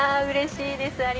うれしいです！